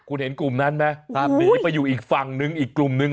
คุณเห็นกลุ่มนั้นไหมหนีไปอยู่อีกฝั่งนึงอีกกลุ่มนึง